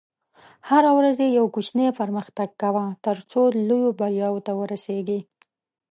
هره ورځ یو کوچنی پرمختګ کوه، ترڅو لویو بریاوو ته ورسېږې.